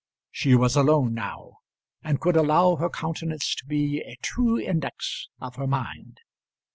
She was alone now, and could allow her countenance to be a true index of her mind.